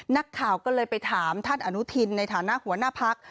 นักข่าวก็เลยไปถามท่านอนุทินในฐานะหัวหน้าพัก